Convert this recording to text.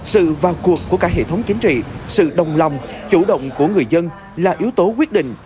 sự vào cuộc của cả hệ thống chính trị sự đồng lòng chủ động của người dân là yếu tố quyết định